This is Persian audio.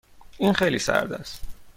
این خیلی سرد است.